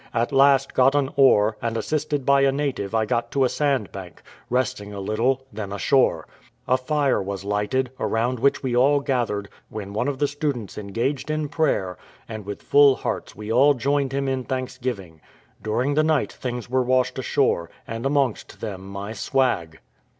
At last got an oar, and assisted by a native I got to a sand bank — resting a little, then ashore. A fire was lighted, around which we all gathered, when one of the students engaged in prayer, and with full hearts we all joined him in thanksgiving. During the night things were washed ashore, and amongst them my swag."